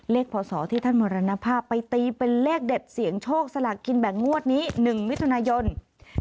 เลขพศที่ท่านมรณภาไปตีเป็นเลขเด็ดเสียงโชคสลากินแบ่งงวดนี้๑วิทยุณิยนตร์